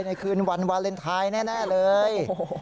ในคืนวันวาเลนไทยแน่เลย